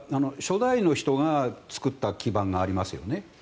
それは初代の人が作った基盤がありますよね。